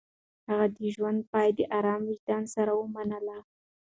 هغه د ژوند پاى د ارام وجدان سره ومنله.